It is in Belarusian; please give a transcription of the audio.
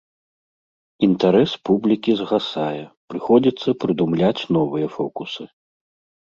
Інтарэс публікі згасае, прыходзіцца прыдумляць новыя фокусы.